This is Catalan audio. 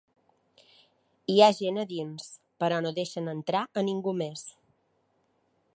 Hi ha gent a dins, però no deixen entrar a ningú més.